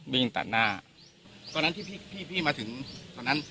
วิ่งตัดหน้าตอนนั้นที่พี่พี่มาถึงตอนนั้น